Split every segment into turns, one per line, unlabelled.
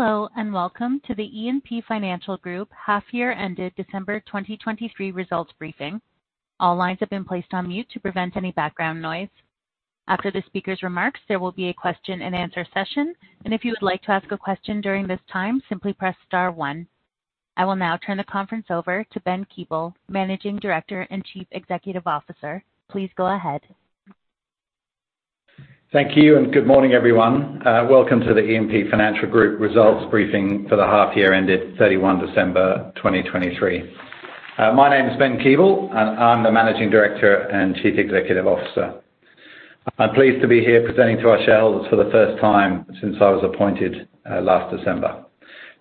Hello and welcome to the E&P Financial Group half-year-ended December 2023 results briefing. All lines have been placed on mute to prevent any background noise. After the speaker's remarks, there will be a question-and-answer session, and if you would like to ask a question during this time, simply press * 1. I will now turn the conference over to Ben Keeble, Managing Director and Chief Executive Officer. Please go ahead.
Thank you and good morning, everyone. Welcome to the E&P Financial Group results briefing for the half-year ended 31 December 2023. My name is Ben Keeble, and I'm the Managing Director and Chief Executive Officer. I'm pleased to be here presenting to our shareholders for the first time since I was appointed last December.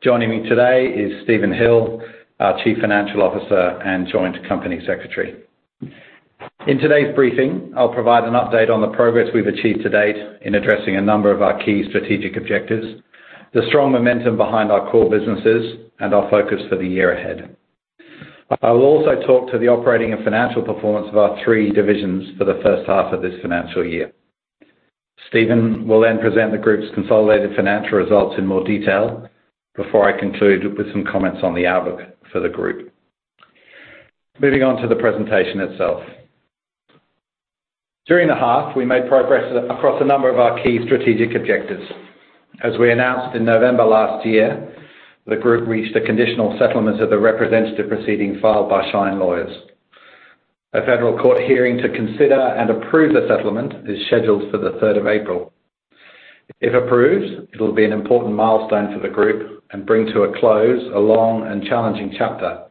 Joining me today is Stephen Hill, our Chief Financial Officer and Joint Company Secretary. In today's briefing, I'll provide an update on the progress we've achieved to date in addressing a number of our key strategic objectives, the strong momentum behind our core businesses, and our focus for the year ahead. I will also talk to the operating and financial performance of our three divisions for the first half of this financial year. Stephen will then present the group's consolidated financial results in more detail before I conclude with some comments on the outlook for the group. Moving on to the presentation itself. During the half, we made progress across a number of our key strategic objectives. As we announced in November last year, the group reached a conditional settlement of the representative proceeding filed by Shine Lawyers. A federal court hearing to consider and approve the settlement is scheduled for the 3rd of April. If approved, it'll be an important milestone for the group and bring to a close a long and challenging chapter.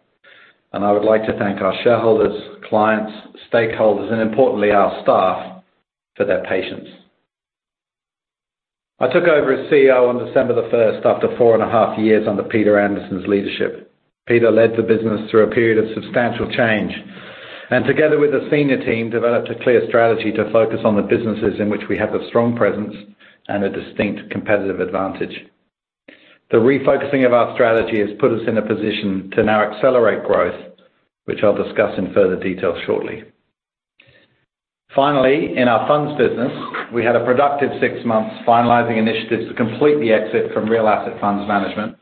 I would like to thank our shareholders, clients, stakeholders, and importantly, our staff for their patience. I took over as CEO on December 1st after four and a half years under Peter Anderson's leadership. Peter led the business through a period of substantial change, and together with a senior team, developed a clear strategy to focus on the businesses in which we have a strong presence and a distinct competitive advantage. The refocusing of our strategy has put us in a position to now accelerate growth, which I'll discuss in further detail shortly. Finally, in our funds business, we had a productive six months finalizing initiatives to complete the exit from real asset funds management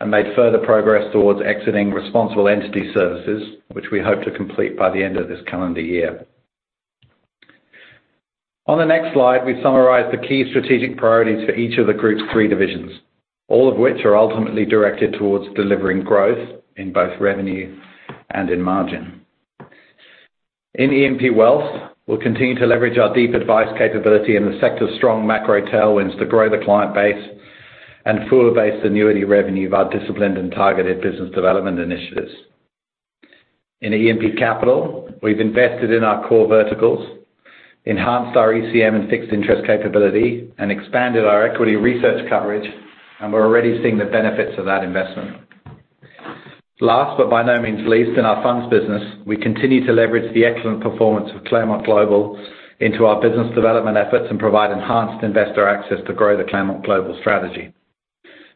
and made further progress towards exiting responsible entity services, which we hope to complete by the end of this calendar year. On the next slide, we summarize the key strategic priorities for each of the group's three divisions, all of which are ultimately directed towards delivering growth in both revenue and in margin. In E&P Wealth, we'll continue to leverage our deep advice capability and the sector's strong macro tailwinds to grow the client base and uncertain the annuity revenue of our disciplined and targeted business development initiatives. In E&P Capital, we've invested in our core verticals, enhanced our ECM and fixed interest capability, and expanded our equity research coverage, and we're already seeing the benefits of that investment. Last but by no means least, in our funds business, we continue to leverage the excellent performance of Claremont Global into our business development efforts and provide enhanced investor access to grow the Claremont Global strategy.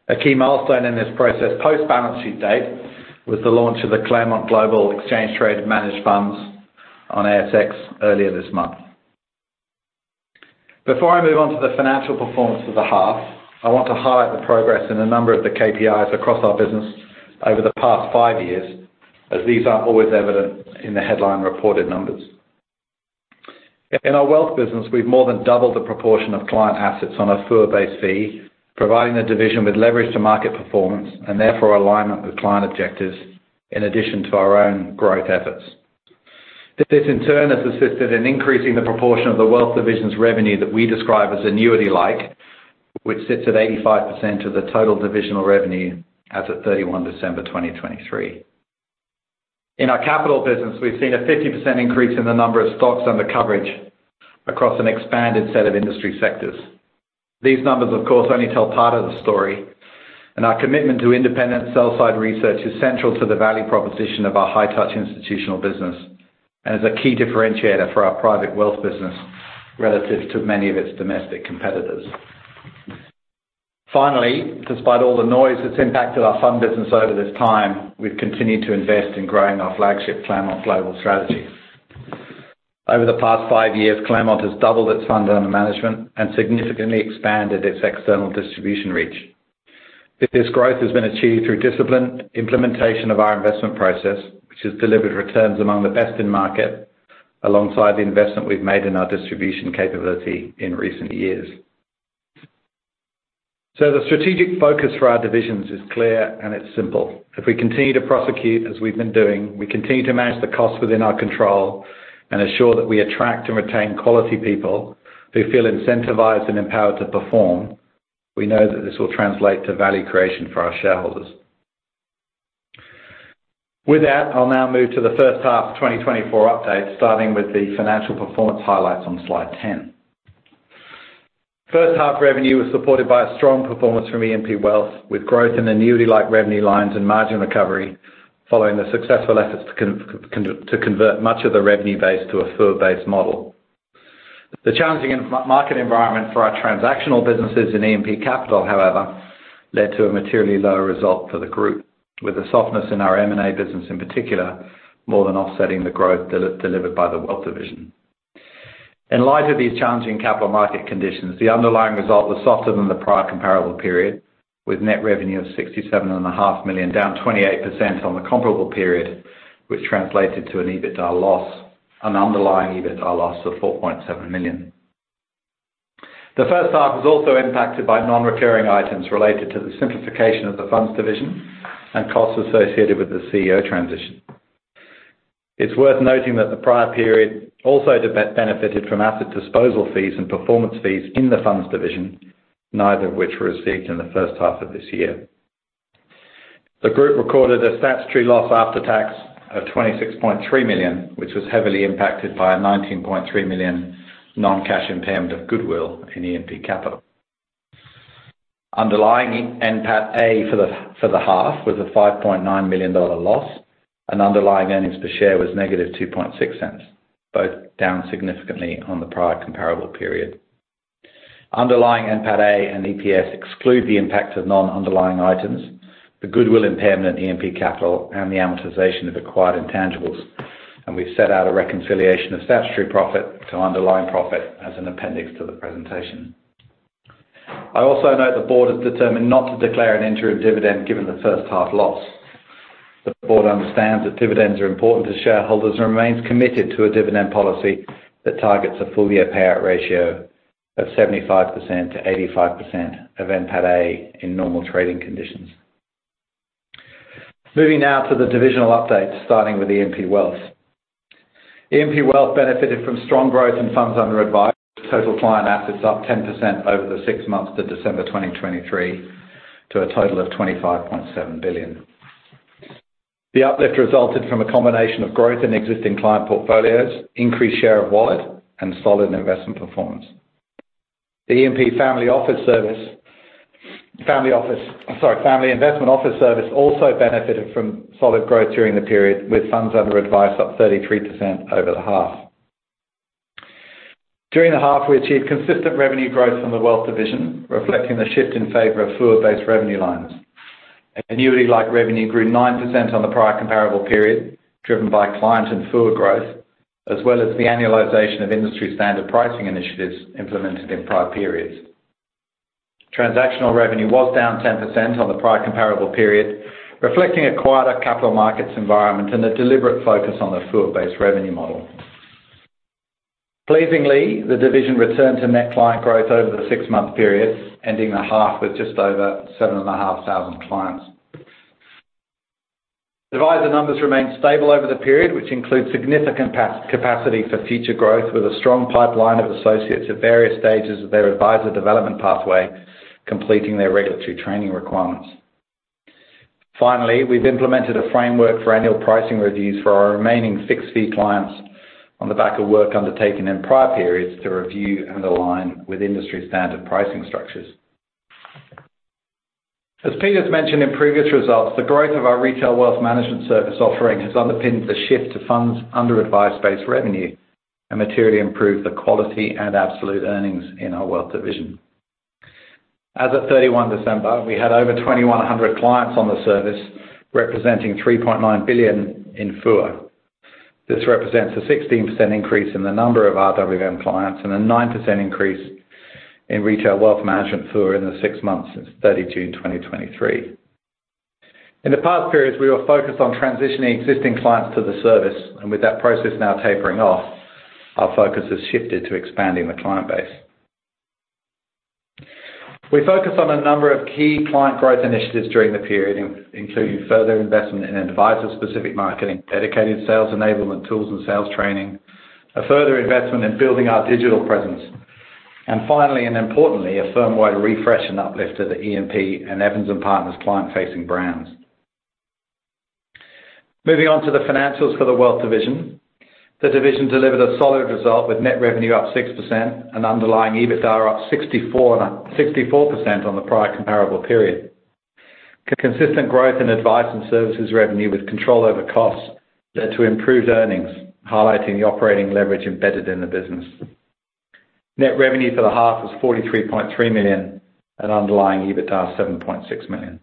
A key milestone in this process post-balance sheet date was the launch of the Claremont Global Exchange-Traded Managed Funds on ASX earlier this month. Before I move on to the financial performance of the half, I want to highlight the progress in a number of the KPIs across our business over the past five years, as these aren't always evident in the headline reported numbers. In our wealth business, we've more than doubled the proportion of client assets on a FUA-based fee, providing the division with leverage to market performance and therefore alignment with client objectives in addition to our own growth efforts. This, in turn, has assisted in increasing the proportion of the wealth division's revenue that we describe as annuity-like, which sits at 85% of the total divisional revenue as of 31 December 2023. In our capital business, we've seen a 50% increase in the number of stocks under coverage across an expanded set of industry sectors. These numbers, of course, only tell part of the story, and our commitment to independent sell-side research is central to the value proposition of our high-touch institutional business and is a key differentiator for our private wealth business relative to many of its domestic competitors. Finally, despite all the noise that's impacted our fund business over this time, we've continued to invest in growing our flagship Claremont Global strategy. Over the past five years, Claremont has doubled its funds under management and significantly expanded its external distribution reach. This growth has been achieved through disciplined implementation of our investment process, which has delivered returns among the best in market alongside the investment we've made in our distribution capability in recent years. So the strategic focus for our divisions is clear, and it's simple. If we continue to prosecute as we've been doing, we continue to manage the costs within our control and assure that we attract and retain quality people who feel incentivized and empowered to perform, we know that this will translate to value creation for our shareholders. With that, I'll now move to the first half 2024 update, starting with the financial performance highlights on slide 10. First half revenue was supported by a strong performance from E&P Wealth with growth in annuity-like revenue lines and margin recovery following the successful efforts to convert much of the revenue base to a fee-based model. The challenging market environment for our transactional businesses in E&P Capital, however, led to a materially lower result for the group, with the softness in our M&A business in particular more than offsetting the growth delivered by the wealth division. In light of these challenging capital market conditions, the underlying result was softer than the prior comparable period, with net revenue of 67.5 million down 28% on the comparable period, which translated to an EBITDA loss, an underlying EBITDA loss of 4.7 million. The first half was also impacted by non-recurring items related to the simplification of the funds division and costs associated with the CEO transition. It's worth noting that the prior period also benefited from asset disposal fees and performance fees in the funds division, neither of which were received in the first half of this year. The group recorded a statutory loss after tax of 26.3 million, which was heavily impacted by a 19.3 million non-cash impairment of goodwill in E&P Capital. Underlying NPATA for the half was an 5.9 million dollar loss, and underlying earnings per share was negative 0.026, both down significantly on the prior comparable period. Underlying NPATA and EPS exclude the impact of non-underlying items, the goodwill impairment in E&P Capital, and the amortization of acquired intangibles, and we've set out a reconciliation of statutory profit to underlying profit as an appendix to the presentation. I also note the board has determined not to declare an interim dividend given the first half loss. The board understands that dividends are important to shareholders and remains committed to a dividend policy that targets a full-year payout ratio of 75%-85% of NPATA in normal trading conditions. Moving now to the divisional update, starting with E&P Wealth. E&P Wealth benefited from strong growth in funds under advice, total client assets up 10% over the six months to December 2023 to a total of 25.7 billion. The uplift resulted from a combination of growth in existing client portfolios, increased share of wallet, and solid investment performance. The E&P family office service sorry, family investment office service also benefited from solid growth during the period, with funds under advice up 33% over the half. During the half, we achieved consistent revenue growth from the wealth division, reflecting the shift in favor of fee-based revenue lines. Annuity-like revenue grew 9% on the prior comparable period, driven by client and FUA growth, as well as the annualization of industry standard pricing initiatives implemented in prior periods. Transactional revenue was down 10% on the prior comparable period, reflecting a quieter capital markets environment and a deliberate focus on the fee-based revenue model. Pleasingly, the division returned to net client growth over the six-month period, ending the half with just over 7,500 clients. Advisor numbers remained stable over the period, which includes significant capacity for future growth with a strong pipeline of associates at various stages of their advisor development pathway completing their regulatory training requirements. Finally, we've implemented a framework for annual pricing reviews for our remaining fixed-fee clients on the back of work undertaken in prior periods to review and align with industry standard pricing structures. As Peter's mentioned in previous results, the growth of our retail wealth management service offering has underpinned the shift to funds under advice-based revenue and materially improved the quality and absolute earnings in our wealth division. As of 31 December, we had over 2,100 clients on the service, representing 3.9 billion in FUA. This represents a 16% increase in the number of RWM clients and a 9% increase in retail wealth management FUM in the six months since 30 June 2023. In the past periods, we were focused on transitioning existing clients to the service, and with that process now tapering off, our focus has shifted to expanding the client base. We focus on a number of key client growth initiatives during the period, including further investment in advisor-specific marketing, dedicated sales enablement tools and sales training, a further investment in building our digital presence, and finally and importantly, a firm-wide refresh and uplift to the E&P and Evans & Partners client-facing brands. Moving on to the financials for the wealth division, the division delivered a solid result with net revenue up 6% and underlying EBITDA up 64% on the prior comparable period. Consistent growth in advice and services revenue with control over costs led to improved earnings, highlighting the operating leverage embedded in the business. Net revenue for the half was 43.3 million and underlying EBITDA 7.6 million.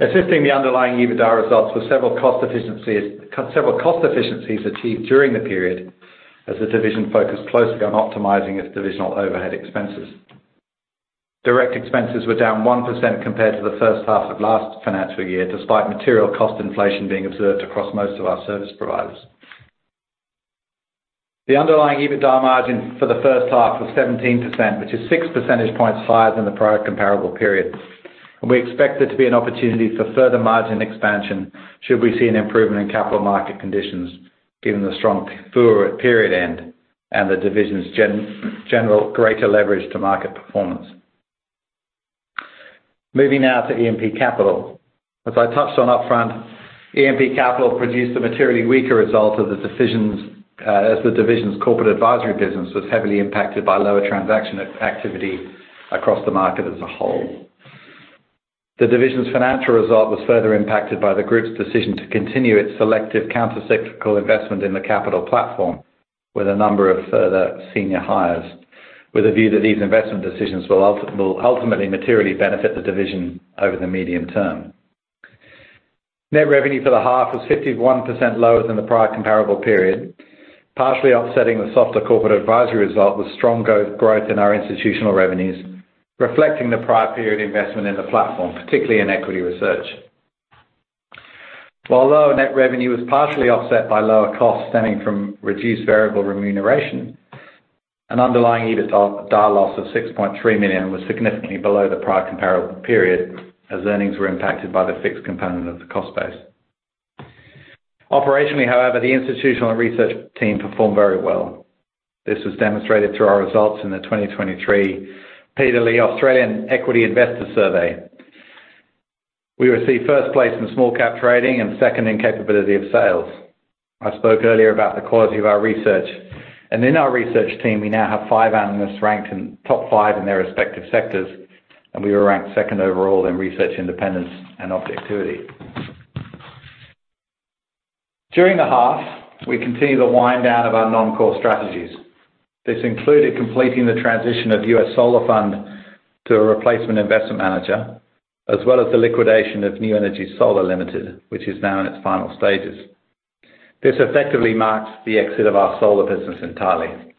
Assisting the underlying EBITDA results were several cost efficiencies achieved during the period as the division focused closely on optimizing its divisional overhead expenses. Direct expenses were down 1% compared to the first half of last financial year, despite material cost inflation being observed across most of our service providers. The underlying EBITDA margin for the first half was 17%, which is six percentage points higher than the prior comparable period. We expect there to be an opportunity for further margin expansion should we see an improvement in capital market conditions, given the strong FUA at period end and the division's general greater leverage to market performance. Moving now to E&P Capital. As I touched on upfront, E&P Capital produced a materially weaker result for the division, as the division's corporate advisory business was heavily impacted by lower transaction activity across the market as a whole. The division's financial result was further impacted by the group's decision to continue its selective countercyclical investment in the capital platform with a number of further senior hires, with a view that these investment decisions will ultimately materially benefit the division over the medium term. Net revenue for the half was 51% lower than the prior comparable period, partially offsetting the softer corporate advisory result with strong growth in our institutional revenues, reflecting the prior period investment in the platform, particularly in equity research. While lower net revenue was partially offset by lower costs stemming from reduced variable remuneration, an underlying EBITDA loss of 6.3 million was significantly below the prior comparable period as earnings were impacted by the fixed component of the cost base. Operationally, however, the institutional research team performed very well. This was demonstrated through our results in the 2023 Peter Lee Australian Equity Investor Survey. We received first place in small-cap trading and second in capability of sales. I spoke earlier about the quality of our research, and in our research team, we now have five analysts ranked in top five in their respective sectors, and we were ranked second overall in research independence and objectivity. During the half, we continued the wind-down of our non-core strategies. This included completing the transition of US Solar Fund to a replacement investment manager, as well as the liquidation of New Energy Solar Limited, which is now in its final stages. This effectively marked the exit of our solar business entirely.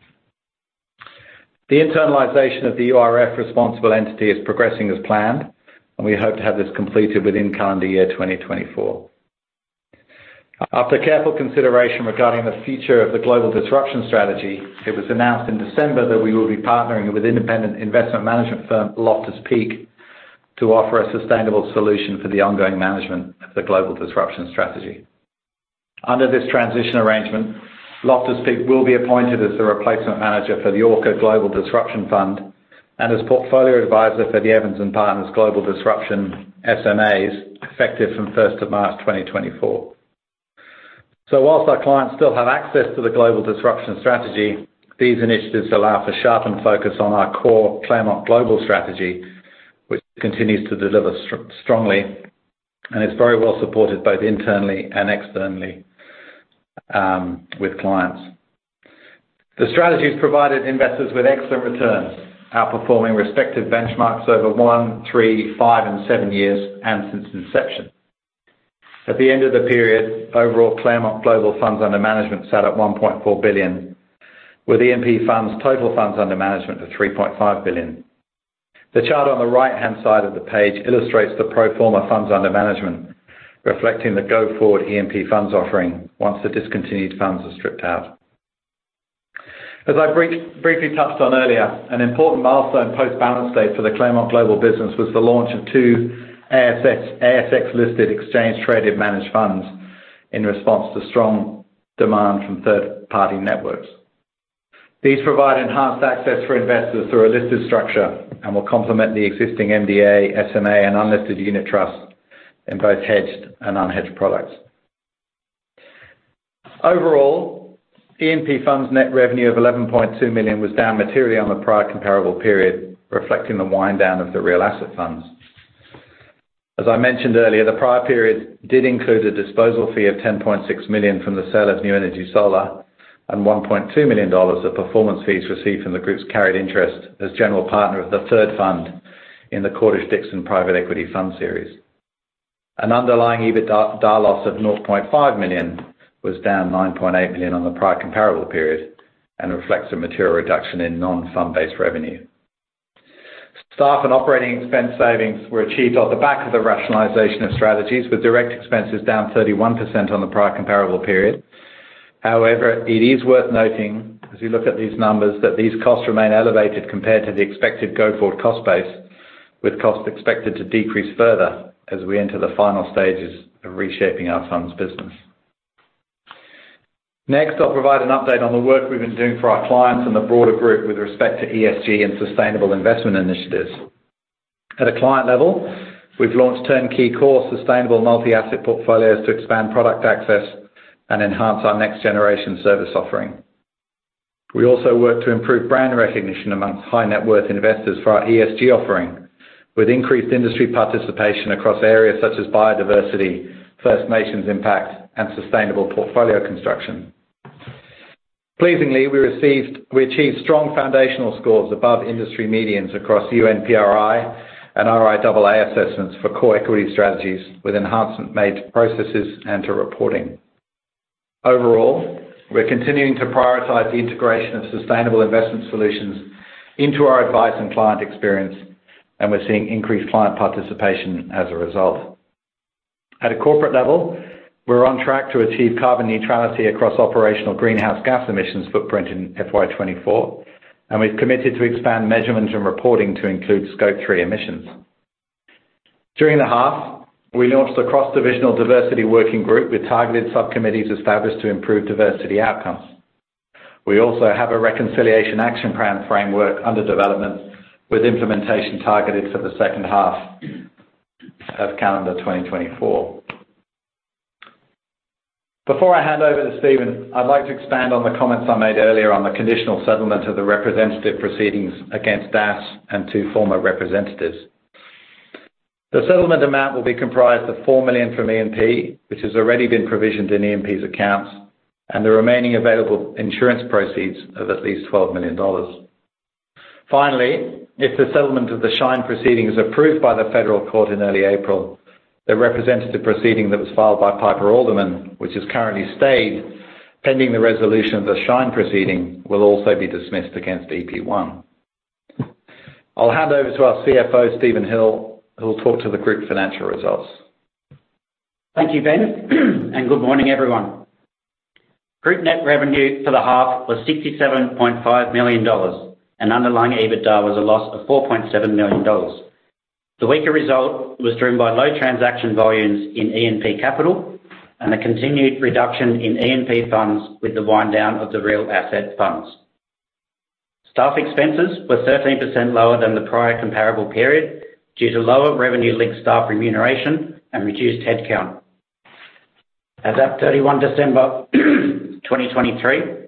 The internalization of the URF responsible entity is progressing as planned, and we hope to have this completed within calendar year 2024. After careful consideration regarding the future of the global disruption strategy, it was announced in December that we will be partnering with independent investment management firm Loftus Peak to offer a sustainable solution for the ongoing management of the global disruption strategy. Under this transition arrangement, Loftus Peak will be appointed as the replacement manager for the Orca Global Disruption Fund and as portfolio advisor for the Evans & Partners Global Disruption SMAs, effective from 1st of March 2024. So while our clients still have access to the global disruption strategy, these initiatives allow for sharpened focus on our core Claremont Global strategy, which continues to deliver strongly and is very well supported both internally and externally with clients. The strategies provided investors with excellent returns, outperforming respective benchmarks over 1, 3, 5, and 7 years, and since inception. At the end of the period, overall Claremont Global funds under management sat at 1.4 billion, with E&P Funds total funds under management of 3.5 billion. The chart on the right-hand side of the page illustrates the pro forma funds under management, reflecting the go-forward E&P Funds offering once the discontinued funds are stripped out. As I briefly touched on earlier, an important milestone post-balance sheet for the Claremont Global business was the launch of two ASX-listed exchange-traded managed funds in response to strong demand from third-party networks. These provide enhanced access for investors through a listed structure and will complement the existing MDA, SMA, and unlisted unit trusts in both hedged and unhedged products. Overall, E&P Funds net revenue of 11.2 million was down materially on the prior comparable period, reflecting the wind-down of the real asset funds. As I mentioned earlier, the prior period did include a disposal fee of 10.6 million from the sale of New Energy Solar and 1.2 million dollars of performance fees received from the group's carried interest as general partner of the third fund in the Cordish Dixon Private Equity Fund series. An underlying EBITDA loss of 0.5 million was down 9.8 million on the prior comparable period and reflects a material reduction in non-fund-based revenue. Staff and operating expense savings were achieved off the back of the rationalisation of strategies, with direct expenses down 31% on the prior comparable period. However, it is worth noting, as you look at these numbers, that these costs remain elevated compared to the expected go-forward cost base, with costs expected to decrease further as we enter the final stages of reshaping our funds business. Next, I'll provide an update on the work we've been doing for our clients and the broader group with respect to ESG and sustainable investment initiatives. At a client level, we've launched turnkey core sustainable multi-asset portfolios to expand product access and enhance our next-generation service offering. We also work to improve brand recognition among high-net-worth investors for our ESG offering, with increased industry participation across areas such as biodiversity, First Nations impact, and sustainable portfolio construction. Pleasingly, we achieved strong foundational scores above industry medians across UNPRI and RIAA assessments for core equity strategies, with enhancement made to processes and to reporting. Overall, we're continuing to prioritize the integration of sustainable investment solutions into our advice and client experience, and we're seeing increased client participation as a result. At a corporate level, we're on track to achieve carbon neutrality across operational greenhouse gas emissions footprint in FY24, and we've committed to expand measurement and reporting to include Scope 3 emissions. During the half, we launched a cross-divisional diversity working group with targeted subcommittees established to improve diversity outcomes. We also have a reconciliation action plan framework under development, with implementation targeted for the second half of calendar 2024. Before I hand over to Stephen, I'd like to expand on the comments I made earlier on the conditional settlement of the representative proceedings against DAS and two former representatives. The settlement amount will be comprised of 4 million from E&P, which has already been provisioned in E&P's accounts, and the remaining available insurance proceeds of at least 12 million dollars. Finally, if the settlement of the Shine proceeding is approved by the federal court in early April, the representative proceeding that was filed by Piper Alderman, which has currently stayed, pending the resolution of the Shine proceeding, will also be dismissed against EP1. I'll hand over to our CFO, Stephen Hill, who'll talk to the group financial results.
Thank you, Ben, and good morning, everyone. Group net revenue for the half was AUD 67.5 million, and underlying EBITDA was a loss of AUD 4.7 million. The weaker result was driven by low transaction volumes in E&P Capital and the continued reduction in E&P funds with the wind-down of the real asset funds. Staff expenses were 13% lower than the prior comparable period due to lower revenue-linked staff remuneration and reduced headcount. As of 31 December 2023,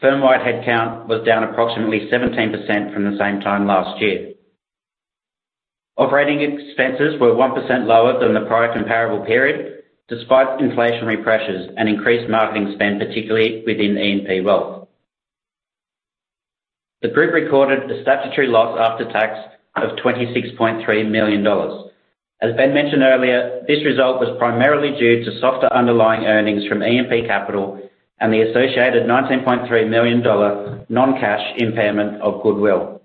firm-wide headcount was down approximately 17% from the same time last year. Operating expenses were 1% lower than the prior comparable period, despite inflationary pressures and increased marketing spend, particularly within E&P Wealth. The group recorded a statutory loss after tax of 26.3 million dollars. As Ben mentioned earlier, this result was primarily due to softer underlying earnings from E&P Capital and the associated AUD 19.3 million non-cash impairment of goodwill.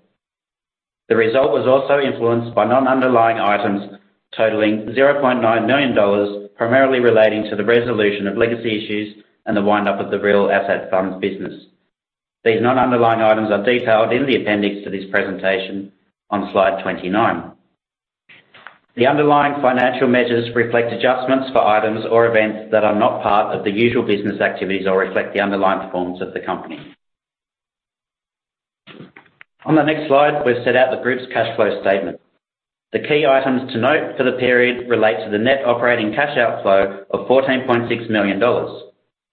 The result was also influenced by non-underlying items totalling 0.9 million dollars, primarily relating to the resolution of legacy issues and the wind-up of the real asset funds business. These non-underlying items are detailed in the appendix to this presentation on slide 29. The underlying financial measures reflect adjustments for items or events that are not part of the usual business activities or reflect the underlying performance of the company. On the next slide, we've set out the group's cash flow statement. The key items to note for the period relate to the net operating cash outflow of 14.6 million dollars,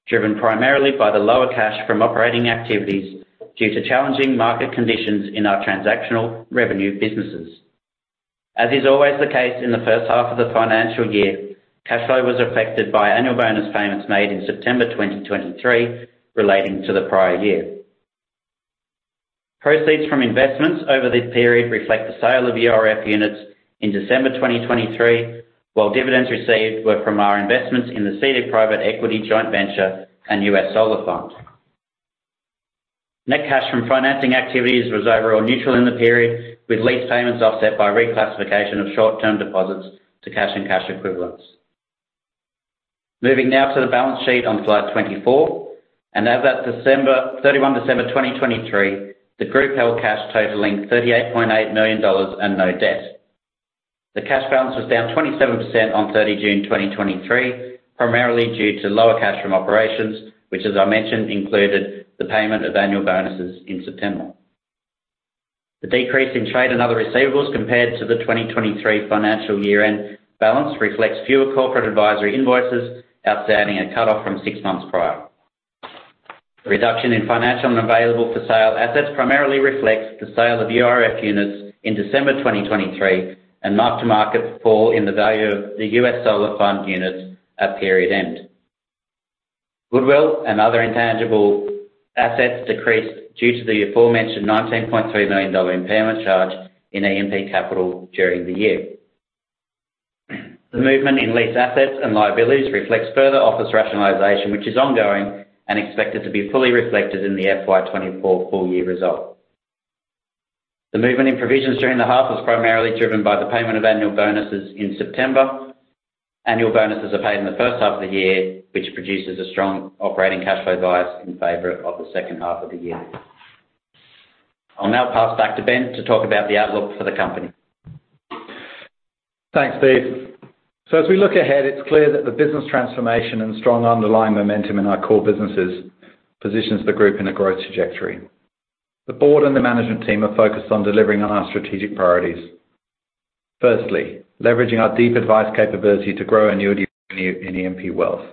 driven primarily by the lower cash from operating activities due to challenging market conditions in our transactional revenue businesses. As is always the case in the first half of the financial year, cash flow was affected by annual bonus payments made in September 2023 relating to the prior year. Proceeds from investments over the period reflect the sale of URF units in December 2023, while dividends received were from our investments in the CD Private Equity joint venture and US Solar Fund. Net cash from financing activities was overall neutral in the period, with lease payments offset by reclassification of short-term deposits to cash and cash equivalents. Moving now to the balance sheet on slide 24, and as of 31 December 2023, the group held cash totaling 38.8 million dollars and no debt. The cash balance was down 27% on 30 June 2023, primarily due to lower cash from operations, which, as I mentioned, included the payment of annual bonuses in September. The decrease in trade and other receivables compared to the 2023 financial year-end balance reflects fewer corporate advisory invoices outstanding a cutoff from six months prior. The reduction in financial and available-for-sale assets primarily reflects the sale of URF units in December 2023 and marked-to-market fall in the value of the US Solar Fund units at period end. goodwill and other intangible assets decreased due to the aforementioned AUD 19.3 million impairment charge in E&P Capital during the year. The movement in lease assets and liabilities reflects further office rationalization, which is ongoing and expected to be fully reflected in the FY24 full year result. The movement in provisions during the half was primarily driven by the payment of annual bonuses in September. Annual bonuses are paid in the first half of the year, which produces a strong operating cash flow bias in favor of the second half of the year. I'll now pass back to Ben to talk about the outlook for the company.
Thanks, Steve. So as we look ahead, it's clear that the business transformation and strong underlying momentum in our core businesses positions the group in a growth trajectory. The board and the management team are focused on delivering on our strategic priorities. Firstly, leveraging our deep advice capability to grow annuity in E&P Wealth.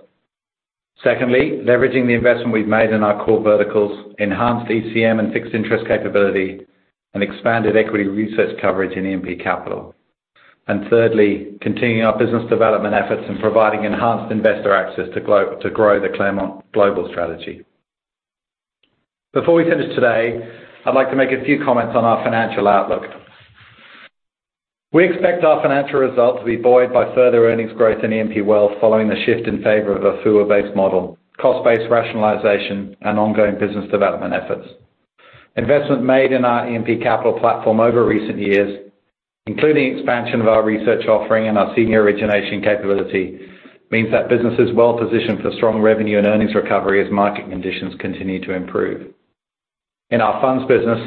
Secondly, leveraging the investment we've made in our core verticals, enhanced ECM and fixed interest capability, and expanded equity research coverage in E&P Capital. And thirdly, continuing our business development efforts and providing enhanced investor access to grow the Claremont Global strategy. Before we finish today, I'd like to make a few comments on our financial outlook. We expect our financial results to be buoyed by further earnings growth in E&P Wealth following the shift in favor of a FUA-based model, cost-based rationalization, and ongoing business development efforts. Investment made in our E&P Capital platform over recent years, including expansion of our research offering and our senior origination capability, means that business is well-positioned for strong revenue and earnings recovery as market conditions continue to improve. In our funds business,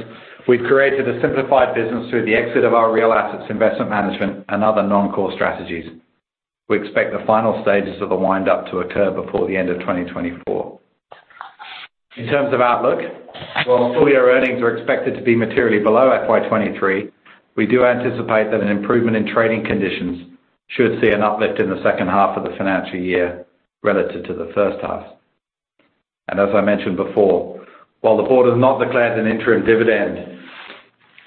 we've created a simplified business through the exit of our real assets investment management and other non-core strategies. We expect the final stages of the wind-up to occur before the end of 2024. In terms of outlook, while full year earnings are expected to be materially below FY23, we do anticipate that an improvement in trading conditions should see an uplift in the second half of the financial year relative to the first half. As I mentioned before, while the board has not declared an interim dividend,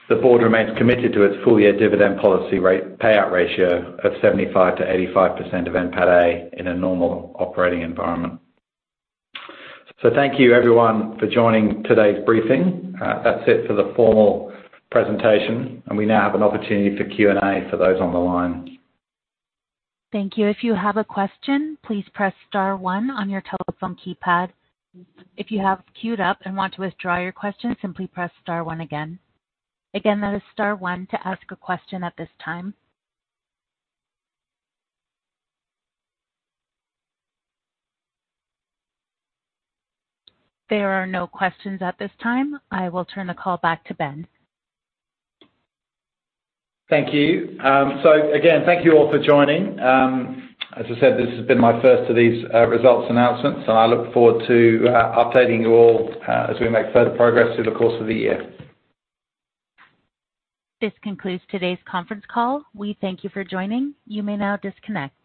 the board remains committed to its full year dividend policy payout ratio of 75%-85% of NPATA in a normal operating environment. Thank you, everyone, for joining today's briefing. That's it for the formal presentation, and we now have an opportunity for Q&A for those on the line. Thank you.
If you have a question, please press star one on your telephone keypad. If you have queued up and want to withdraw your question, simply press * one again. Again, that is * one to ask a question at this time. There are no questions at this time. I will turn the call back to Ben.
Thank you. So again, thank you all for joining. As I said, this has been my first of these results announcements, and I look forward to updating you all as we make further progress through the course of the year.
This concludes today's conference call. We thank you for joining. You may now disconnect.